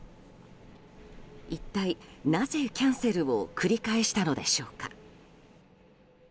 一体、なぜキャンセルを繰り返したのでしょうか。